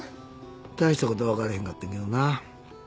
大したことは分からへんかったんやけどな。